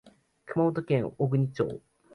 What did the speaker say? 熊本県小国町